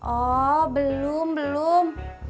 oh belum belum